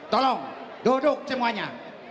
tolong duduk semuanya